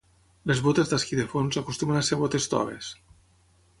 Les botes d'esquí de fons acostumen a ser botes toves.